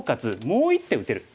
もう１手打てる。